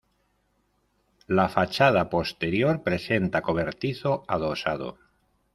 La fachada posterior presenta cobertizo adosado.